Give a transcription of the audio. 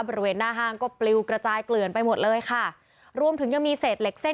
บริเวณหน้าห้างก็ปลิวกระจายเกลื่อนไปหมดเลยค่ะรวมถึงยังมีเศษเหล็กเส้น